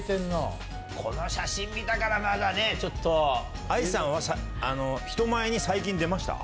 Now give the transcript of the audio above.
この写真見たからまだね、愛さんは人前に最近出ました？